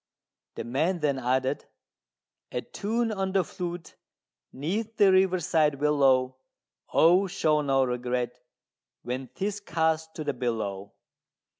The man then added "A tune on the flute 'neath the riverside willow: Oh, show no regret when 'tis cast to the billow!"